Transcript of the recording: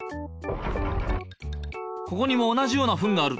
ここにも同じようなフンがある。